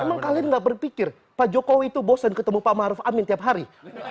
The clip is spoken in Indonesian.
emang kalian gak berpikir pak jokowi itu bosen ketemu pak maruf amin tiap hari